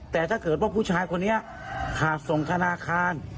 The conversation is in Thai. แต่ถ้าเกิดว่าผู้ชายคนนี้ขาดส่งธนาคาร